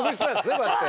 こうやって。